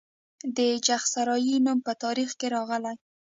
د چغسرای نوم په تاریخ کې راغلی